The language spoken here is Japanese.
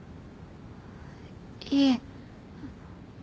いえ。